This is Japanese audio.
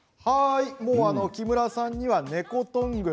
木村さんには猫トング。